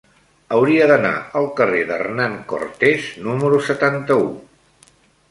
Hauria d'anar al carrer d'Hernán Cortés número setanta-u.